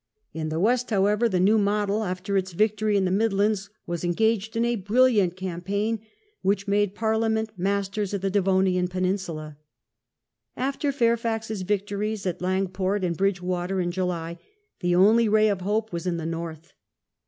In the West, however, the New Model, after its victory in the Midlands, was engaged in a brilliant campaign which made Parliament masters of the Devonian peninsula After Fairfax's victories at Langport and Bridgewater in July the only ray of hope was in the North.